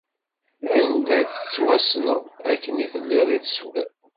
Anda i tettwassneḍ, akken i telliḍ i teswiḍ.